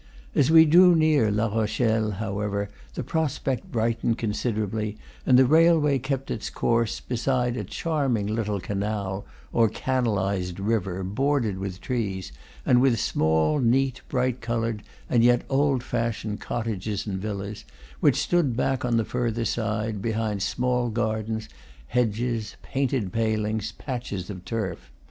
As we drew near La Rochelle, however, the prospect brightened con siderably, and the railway kept its course beside a charming little canal, or canalized river, bordered with trees, and with small, neat, bright colored, and yet old fashioned cottages and villas, which stood back on the further side, behind small gardens, hedges, painted palings, patches of turf.